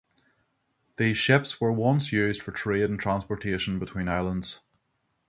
These ships were once used for trade and transportation between islands.